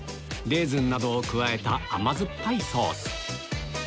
レーズンなどを加えた甘酸っぱいソース